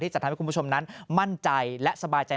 จะทำให้คุณผู้ชมนั้นมั่นใจและสบายใจ